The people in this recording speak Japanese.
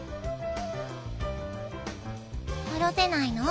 「おろせないの？」。